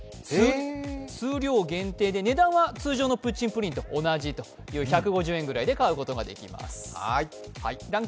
数量限定で、値段は通常のプッチンプリンと同じ１５０円ぐらいで買うことができます